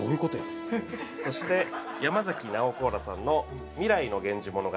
そして山崎ナオコーラさんの『ミライの源氏物語』。